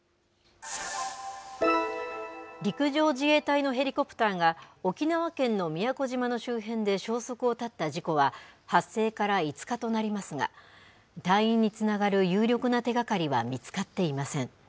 陸上自衛隊のヘリコプターが、沖縄県の宮古島の周辺で消息を絶った事故は、発生から５日となりますが、隊員につながる有力な手がかりは見つかっていません。